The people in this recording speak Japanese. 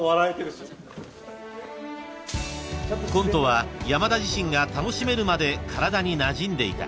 ［コントは山田自身が楽しめるまで体になじんでいた］